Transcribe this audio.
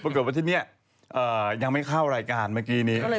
ปรากฏว่าที่นี่ยังไม่เข้ารายการเมื่อกี้นี้